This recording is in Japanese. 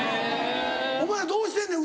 お前らどうしてんねん？